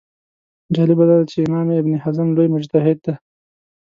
جالبه دا ده چې امام ابن حزم لوی مجتهد دی